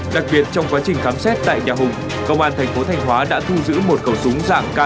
đặc biệt trong quá trình khám xét tại nhà hùng công an thành phố thanh hóa đã thu giữ một khẩu súng dạng k năm mươi bốn